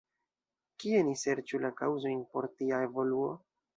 Kie ni serĉu la kaŭzojn por tia evoluo?